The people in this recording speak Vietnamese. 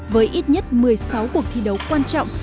với ít nhất một mươi sáu cuộc thi đấu quan trọng